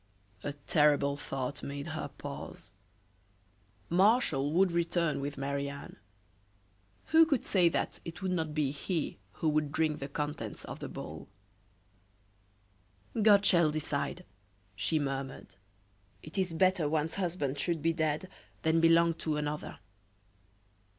A terrible thought made her pause. Martial would return with Marie Anne; who could say that it would not be he who would drink the contents of the bowl. "God shall decide!" she murmured. "It is better one's husband should be dead than belong to another!"